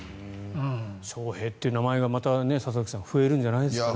翔平って名前がまた増えるんじゃないですかね。